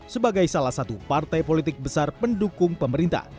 sebagai salah satu partai politik besar pendukung pemerintah